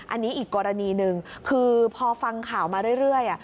อันนี้อีกกรณีหนึ่งคือพอฟังข่าวมาเรื่อย